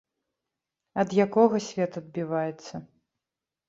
Ад якога свет адбіваецца.